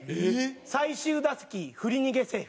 最終打席振り逃げセーフ。